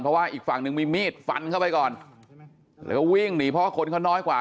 เพราะว่าอีกฝั่งหนึ่งมีมีดฟันเข้าไปก่อนแล้วก็วิ่งหนีเพราะว่าคนเขาน้อยกว่า